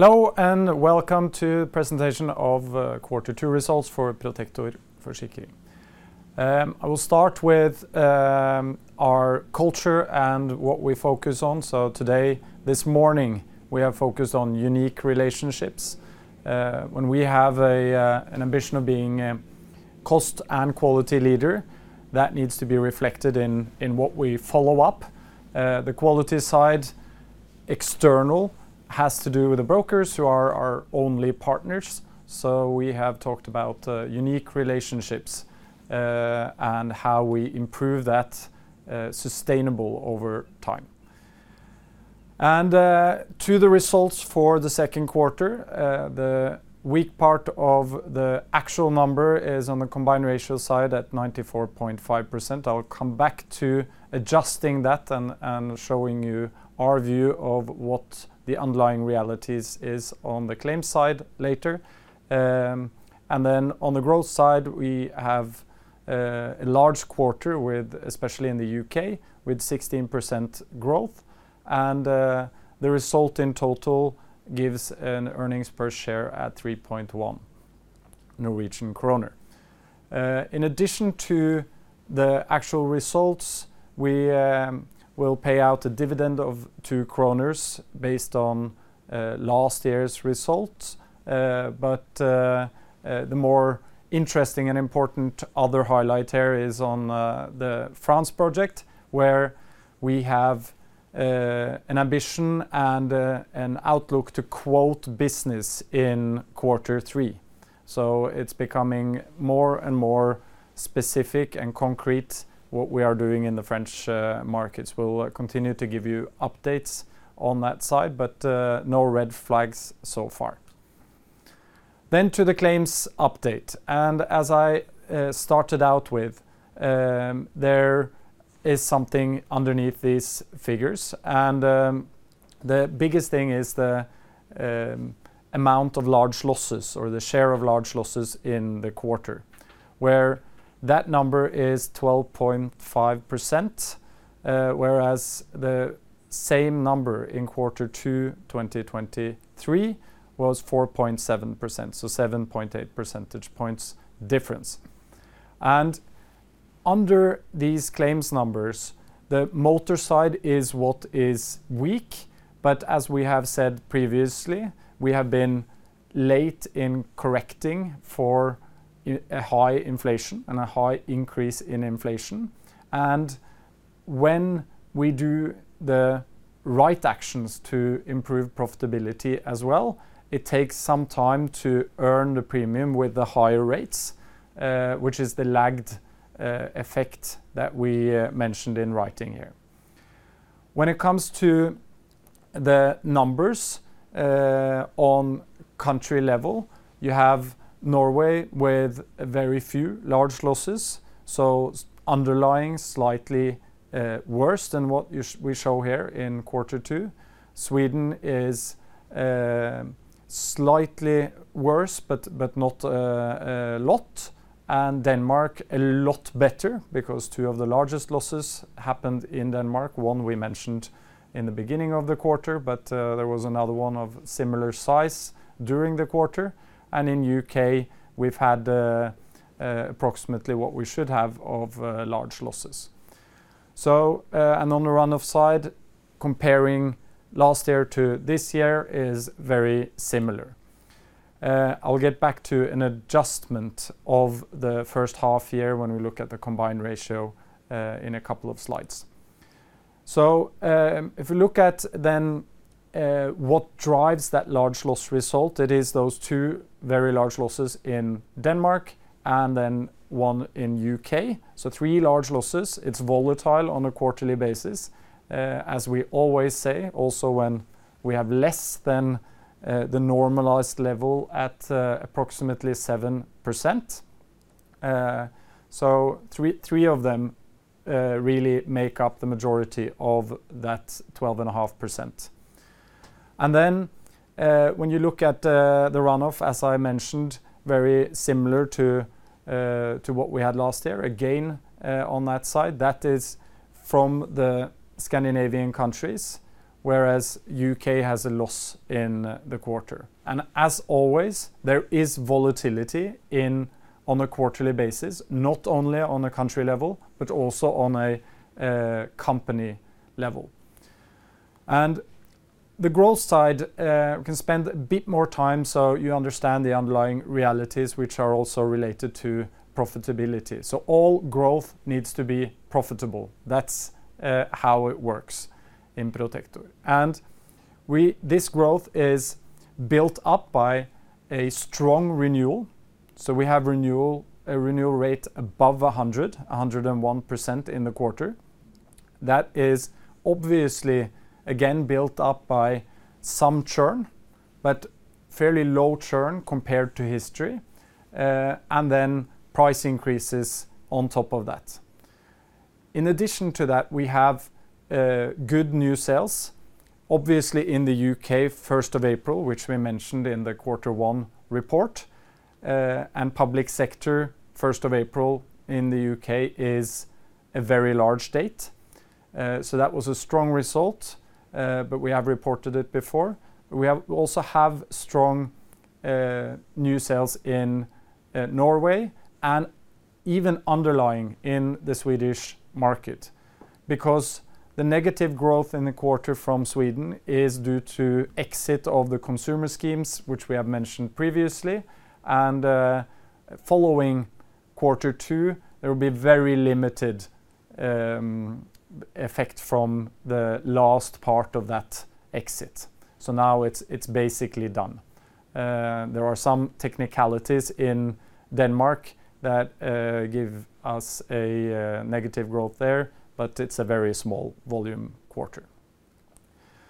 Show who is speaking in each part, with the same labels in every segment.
Speaker 1: Hello, and welcome to the presentation of Q2 results for Protector Forsikring. I will start with our culture and what we focus on. So today, this morning, we are focused on unique relationships. When we have an ambition of being cost and quality leader, that needs to be reflected in what we follow up. The quality side, external, has to do with the brokers who are our only partners, so we have talked about unique relationships, and how we improve that sustainable over time. To the results for the Q2, the weak part of the actual number is on the combined ratio side at 94.5%. I will come back to adjusting that and showing you our view of what the underlying realities is on the claim side later. And then on the growth side, we have a large quarter with, especially in the UK, with 16% growth, and the result in total gives an earnings per share at 3.1 Norwegian kroner. In addition to the actual results, we will pay out a dividend of 2 kroner based on last year's results. But the more interesting and important other highlight here is on the Project France, where we have an ambition and an outlook to quote business in Q2. So it's becoming more and more specific and concrete what we are doing in the French markets. We'll continue to give you updates on that side, but no red flags so far. Then to the claims update, and as I started out with, there is something underneath these figures. The biggest thing is the amount of large losses or the share of large losses in the quarter, where that number is 12.5%, whereas the same number in Q2, 2023 was 4.7%, so 7.8 percentage points difference. Under these claims numbers, the motor side is what is weak, but as we have said previously, we have been late in correcting for a high inflation and a high increase in inflation. When we do the right actions to improve profitability as well, it takes some time to earn the premium with the higher rates, which is the lagged effect that we mentioned in writing here. When it comes to the numbers, on country level, you have Norway with very few large losses, so underlying slightly worse than what we show here in Q2. Sweden is slightly worse, but not a lot, and Denmark a lot better because 2 of the largest losses happened in Denmark. One we mentioned in the beginning of the quarter, but there was another one of similar size during the quarter. And in UK, we've had approximately what we should have of large losses. So, and on the run-off side, comparing last year to this year is very similar. I'll get back to an adjustment of the first half year when we look at the combined ratio in a couple of slides. So, if you look at then, what drives that large loss result, it is those two very large losses in Denmark and then one in UK. So three large losses, it's volatile on a quarterly basis, as we always say, also when we have less than, the normalized level at, approximately 7%. So three, three of them, really make up the majority of that 12.5%. And then, when you look at, the run-off, as I mentioned, very similar to, to what we had last year. Again, on that side, that is from the Scandinavian countries, whereas UK has a loss in the quarter. And as always, there is volatility in, on a quarterly basis, not only on a country level, but also on a, company level. And the growth side, we can spend a bit more time so you understand the underlying realities, which are also related to profitability. So all growth needs to be profitable. That's how it works in Protector. And this growth is built up by a strong renewal, so we have renewal, a renewal rate above 100, 101% in the quarter. That is obviously, again, built up by some churn, but fairly low churn compared to history, and then price increases on top of that. In addition to that, we have good new sales, obviously in the UK, first of April, which we mentioned in the quarter one report, and public sector, first of April in the UK is a very large date. So that was a strong result, but we have reported it before. We also have strong new sales in Norway and even underlying in the Swedish market, because the negative growth in the quarter from Sweden is due to exit of the consumer schemes, which we have mentioned previously. And following Q2, there will be very limited effect from the last part of that exit. So now it's basically done. There are some technicalities in Denmark that give us a negative growth there, but it's a very small volume quarter.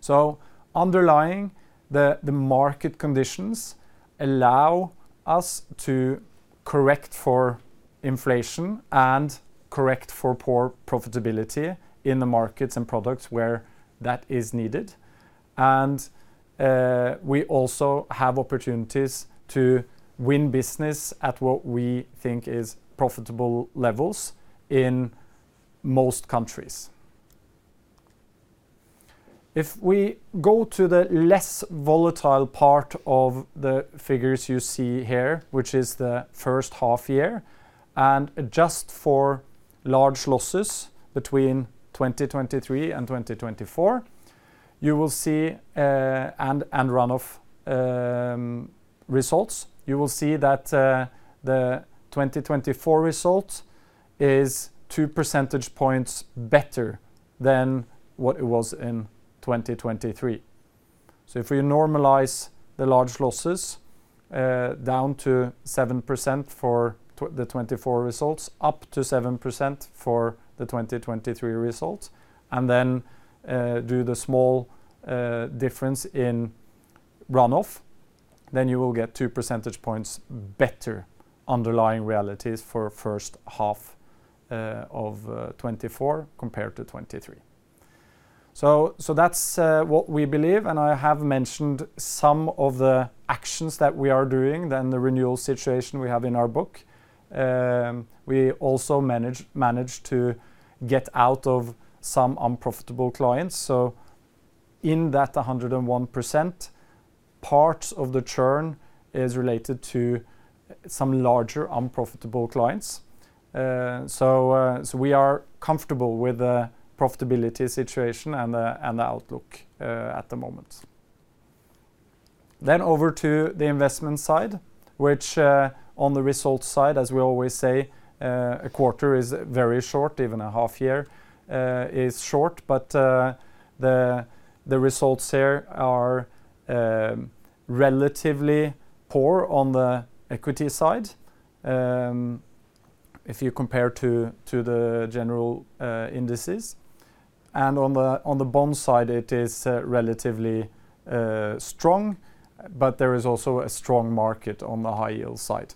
Speaker 1: So underlying the market conditions allow us to correct for inflation and correct for poor profitability in the markets and products where that is needed. And we also have opportunities to win business at what we think is profitable levels in most countries. If we go to the less volatile part of the figures you see here, which is the first half year, and adjust for large losses between 2023 and 2024, you will see, and run-off results. You will see that the 2024 result is 2 percentage points better than what it was in 2023. So if we normalize the large losses, down to 7% for the 2024 results, up to 7% for the 2023 results, and then do the small difference in run-off, then you will get 2 percentage points better underlying realities for first half of 2024 compared to 2023. So that's what we believe, and I have mentioned some of the actions that we are doing, then the renewal situation we have in our book. We also managed to get out of some unprofitable clients. So in that 101%, part of the churn is related to some larger unprofitable clients. So we are comfortable with the profitability situation and the outlook at the moment. Then over to the investment side, which on the result side, as we always say, a quarter is very short, even a half year is short, but the results here are relatively poor on the equity side, if you compare to the general indices. And on the bond side, it is relatively strong, but there is also a strong market on the high yield side.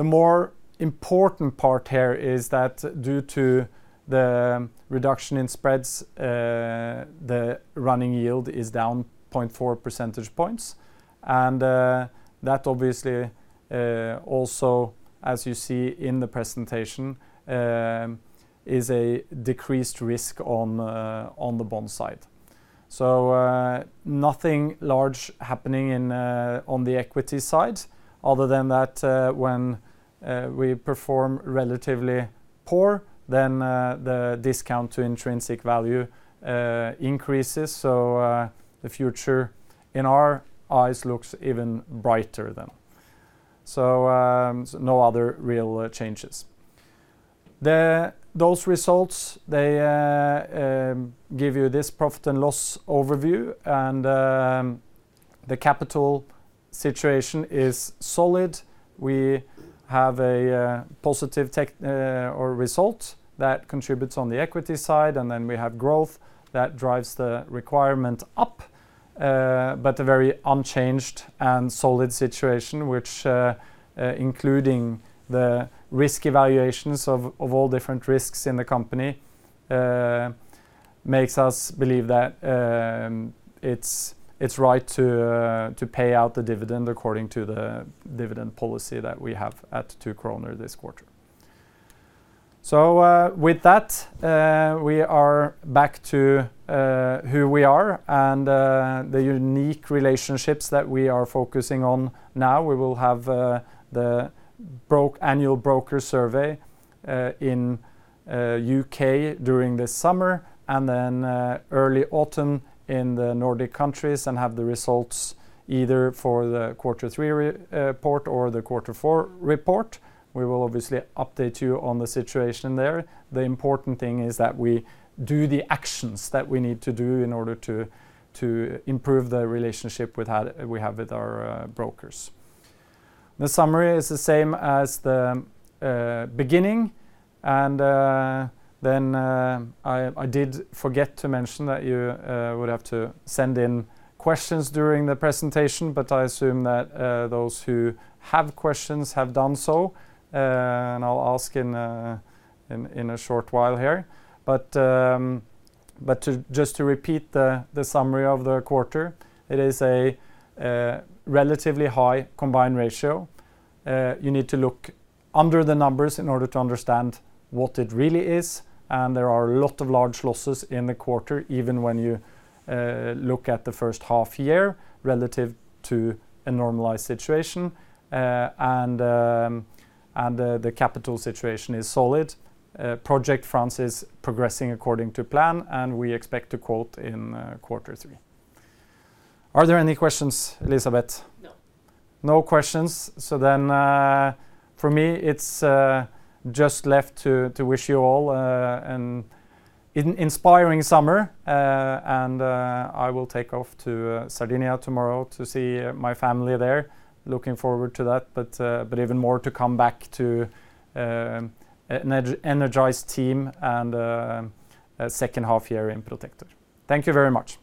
Speaker 1: The more important part here is that due to the reduction in spreads, the running yield is down 0.4 percentage points, and that obviously also, as you see in the presentation, is a decreased risk on the bond side. So, nothing large happening on the equity side, other than that, when we perform relatively poor, then the discount to intrinsic value increases. So, the future in our eyes looks even brighter then. So, no other real changes. Those results, they give you this profit and loss overview, and the capital situation is solid. We have a positive technical result that contributes on the equity side, and then we have growth that drives the requirement up, but a very unchanged and solid situation, which including the risk evaluations of all different risks in the company makes us believe that it's right to pay out the dividend according to the dividend policy that we have at 2 kroner this quarter. So with that we are back to who we are and the unique relationships that we are focusing on. Now we will have the annual broker survey in U.K. during the summer, and then early autumn in the Nordic countries, and have the results either for the Q3 report or the Q4 report. We will obviously update you on the situation there. The important thing is that we do the actions that we need to do in order to improve the relationship that we have with our brokers. The summary is the same as the beginning, and then I did forget to mention that you would have to send in questions during the presentation, but I assume that those who have questions have done so, and I'll ask in a short while here. But just to repeat the summary of the quarter, it is a relatively high combined ratio. You need to look under the numbers in order to understand what it really is, and there are a lot of large losses in the quarter, even when you look at the first half year, relative to a normalized situation, and the capital situation is solid. Project France is progressing according to plan, and we expect to quote in Q3. Are there any questions, Elizabeth?
Speaker 2: No. No questions. So then, for me, it's just left to wish you all an inspiring summer, and I will take off to Sardinia tomorrow to see my family there. Looking forward to that, but even more to come back to an energized team and a second half year in Protector. Thank you very much!